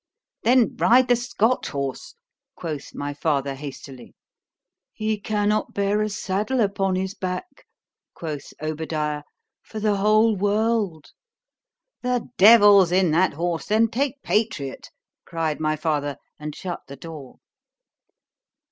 Then ride the Scotch horse, quoth my father hastily.—He cannot bear a saddle upon his back, quoth Obadiah, for the whole world.——The devil's in that horse; then take PATRIOT, cried my father, and shut the door.